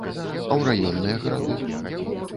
А ў раённыя гарады?